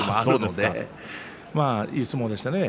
まあ、いい相撲でしたね。